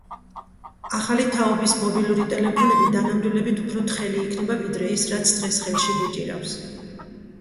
ახალი თაობის მობილური ტელეფონები დანამდვილებით უფრო თხელი იქნება, ვიდრე ის, რაც დღეს ხელში გვიჭირავს.